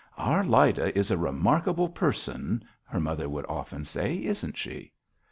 "Our Lyda is a remarkable person," her mother would often say; "isn't she?"